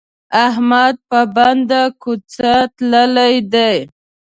احمد په بنده کوڅه تللی دی.